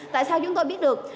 tại sao chúng tôi biết được